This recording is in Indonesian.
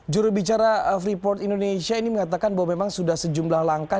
jurubicara freeport indonesia ini mengatakan bahwa memang sudah sejumlah langkah